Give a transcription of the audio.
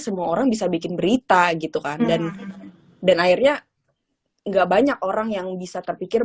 semua orang bisa bikin berita gitu kan dan dan akhirnya enggak banyak orang yang bisa terpikir